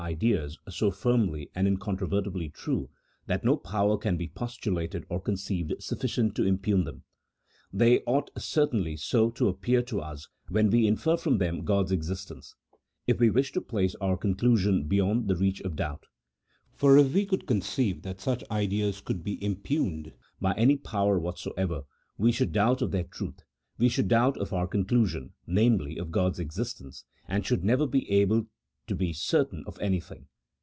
85 ideas so firmly and incontrovertibly true, that no power can be postulated or conceived sufficient to impugn them. They ought certainly so to appear to us when we infer from them God's existence, if we wish to place our conclusion beyond the reach of doubt ; for if we could conceive that such ideas could be impugned by any power whatsoever, we should doubt of their truth, we should doubt of our conclusion, namely, of God's existence, and should never be able to be certain of anything.